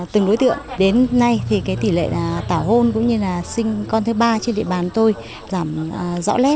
từng đối tượng đến nay thì cái tỷ lệ tảo hôn cũng như là sinh con thứ ba trên địa bàn tôi giảm rõ lẽ